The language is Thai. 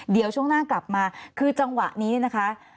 เดี๋ยวช่วงหน้ากลับมาคือจังหวะนี้นะคะ